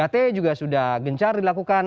tiga t juga sudah gencar dilakukan